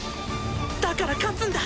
だから勝つんだ